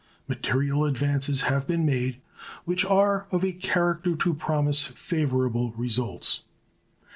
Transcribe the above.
Material advances have been made, which are of a character to promise favorable results.